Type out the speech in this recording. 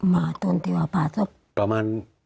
มาตอนที่ว่าประมาณ